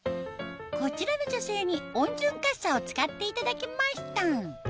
こちらの女性に温巡かっさを使っていただきました